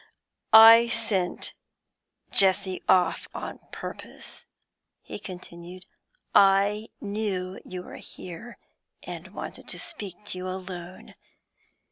'I sent Jessie off on purpose,' he continued. 'I knew you were here, and wanted to speak to you alone.